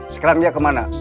sekarang dia kemana